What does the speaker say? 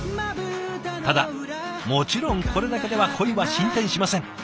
ただもちろんこれだけでは恋は進展しません。